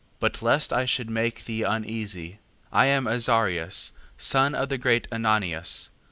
5:18. But lest I should make thee uneasy, I am Azarias the son of the great Ananias.